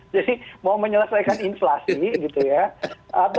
jadi mau menyelesaikan inflasi gitu ya